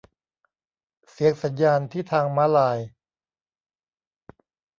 เสียงสัญญาณที่ทางม้าลาย